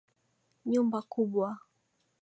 Nyumba kubwa.